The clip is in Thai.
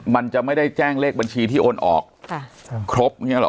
มันจะไม่ได้แจ้งเลขบัญชีที่โอนออกครบอย่างนี้หรอ